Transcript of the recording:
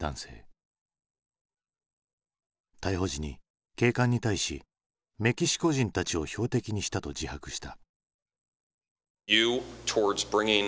逮捕時に警官に対しメキシコ人たちを標的にしたと自白した。